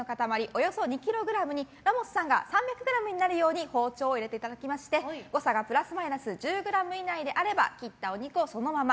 およそ２ｋｇにラモスさんが３００ｇになるよう包丁を入れていただきまして誤差がプラスマイナス１０ｇ以内であれば切ったお肉をそのまま。